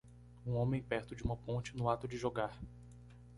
Um homem perto de uma ponte no ato de jogar